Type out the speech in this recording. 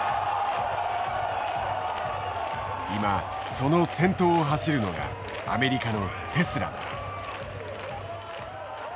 今その先頭を走るのがアメリカのテスラだ。